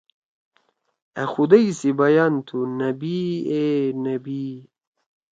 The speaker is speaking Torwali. أ خُدئی سی بَیان تُھو نبی ائے نبی